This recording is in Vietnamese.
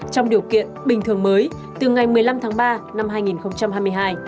trong điều kiện bình thường mới từ ngày một mươi năm tháng ba năm hai nghìn hai mươi hai